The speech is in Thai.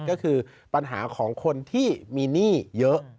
ก็คือปัญหาของคนที่มีหนี้เยอะ